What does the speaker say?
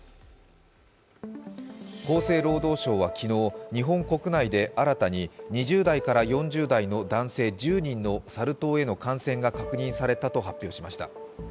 厚生労働省は昨日日本国内で新たに２０代から４０代の男性１０人のサル痘への感染が確認されたと発表しました。